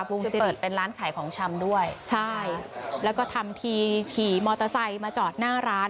เปิดเป็นร้านขายของชำด้วยใช่แล้วก็ทำทีขี่มอเตอร์ไซค์มาจอดหน้าร้าน